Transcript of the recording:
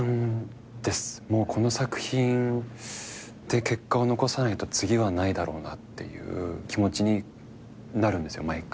この作品で結果を残さないと次はないだろうなっていう気持ちになるんですよ毎回。